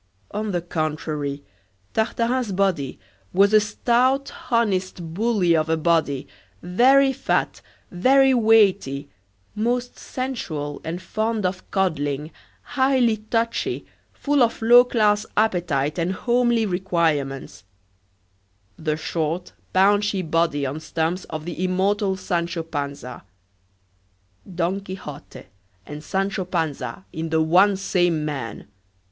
On the contrary, Tartarin's body was a stout honest bully of a body, very fat, very weighty, most sensual and fond of coddling, highly touchy, full of low class appetite and homely requirements the short, paunchy body on stumps of the immortal Sancho Panza. Don Quixote and Sancho Panza in the one same man!